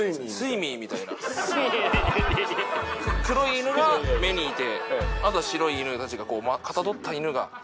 黒い犬が目にいてあと白い犬たちがこうかたどった犬が。